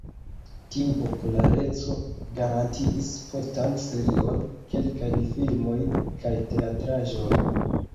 Tiu populareco garantiis postan serion, kelkajn filmojn, kaj teatraĵon.